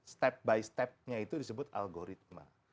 step by step nya itu disebut algoritma